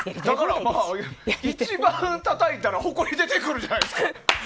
一番たたいたら、ほこりが出てくるんじゃないんですか。